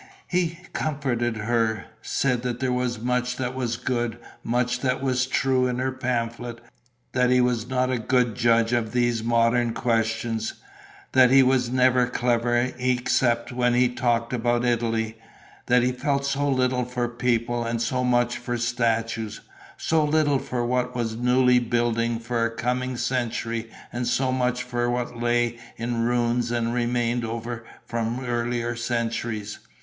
He comforted her, said that there was much that was good, much that was true in her pamphlet; that he was not a good judge of these modern questions; that he was never clever except when he talked about Italy; that he felt so little for people and so much for statues, so little for what was newly building for a coming century and so much for what lay in ruins and remained over from earlier centuries.